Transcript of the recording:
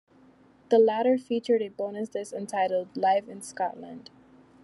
The latter featured a bonus disc entitled "Live in Scotland".